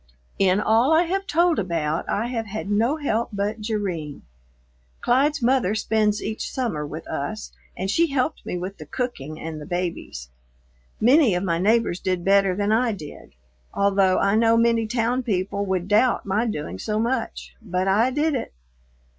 In all I have told about I have had no help but Jerrine. Clyde's mother spends each summer with us, and she helped me with the cooking and the babies. Many of my neighbors did better than I did, although I know many town people would doubt my doing so much, but I did it.